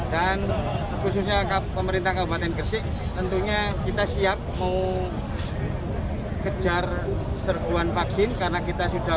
dan khususnya kabupaten kresik tentunya kita siap mau kejar serbuan vaksin karena kita sudah